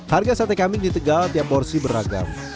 harga sate kambing di tegal tiap porsi beragam